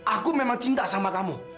aku memang cinta sama kamu